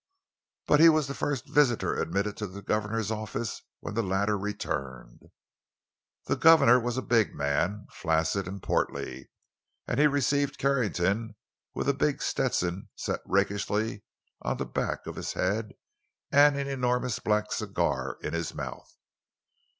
But he was the first visitor admitted to the governor's office when the latter returned. The governor was a big man, flaccid and portly, and he received Carrington with a big Stetson set rakishly on the back of his head and an enormous black cigar in his mouth.